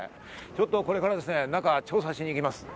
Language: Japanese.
ちょっとこれからですね、中を調査しに行きます。